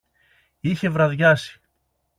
Είχε βραδιάσει.